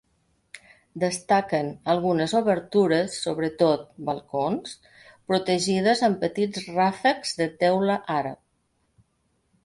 Destaquen algunes obertures, sobretot balcons, protegides amb petits ràfecs de teula àrab.